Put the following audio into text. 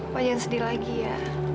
pak jangan sedih lagi ya